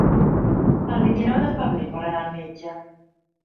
El vint-i-nou de febrer vol anar al metge.